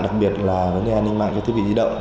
đặc biệt là vấn đề an ninh mạng cho thiết bị di động